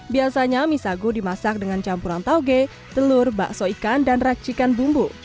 biasanya mie sagu dimasak dengan campuran tauge telur bakso ikan dan racikan bumbu